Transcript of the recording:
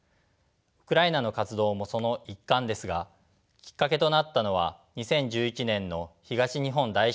ウクライナの活動もその一環ですがきっかけとなったのは２０１１年の東日本大震災でした。